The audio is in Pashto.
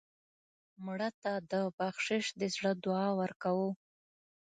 مړه ته د بخشش د زړه دعا ورکوو